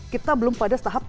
kita belum pada setahap